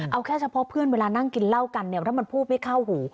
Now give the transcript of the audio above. เอาแค่เฉพาะเพื่อนเวลานั่งกินเหล้ากันเนี่ยถ้ามันพูดไม่เข้าหู